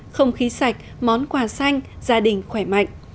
không khí sạch món quà xanh gia đình khỏe mạnh